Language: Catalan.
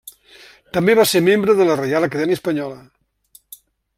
També va ser membre de la Reial Acadèmia Espanyola.